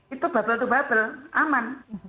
itu bubble to bubble aman